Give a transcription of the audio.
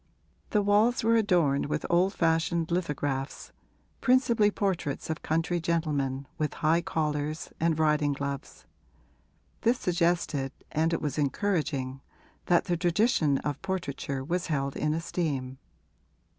The walls were adorned with old fashioned lithographs, principally portraits of country gentlemen with high collars and riding gloves: this suggested and it was encouraging that the tradition of portraiture was held in esteem.